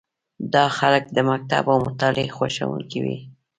دا خلک د مکتب او مطالعې خوښوونکي وي.